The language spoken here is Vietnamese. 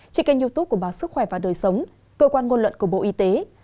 trên kênh youtube của báo sức khỏe và đời sống cơ quan ngôn luận của bộ y tế